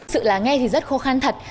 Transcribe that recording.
sự là nghe thì rất khó khăn thật